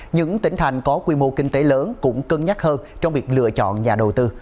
những tỉnh thành có quy mô kinh tế lớn cũng cân nhắc hơn trong việc lựa chọn nhà đầu tư